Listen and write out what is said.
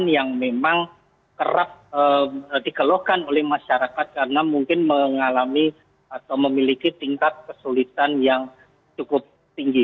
yang memang kerap dikeluhkan oleh masyarakat karena mungkin mengalami atau memiliki tingkat kesulitan yang cukup tinggi